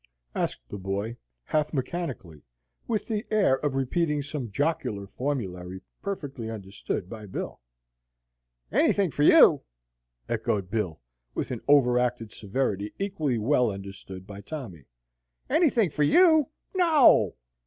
asked the boy, half mechanically, with the air of repeating some jocular formulary perfectly understood by Bill. "Anythin' for you!" echoed Bill, with an overacted severity equally well understood by Tommy, "anythin' for you? No!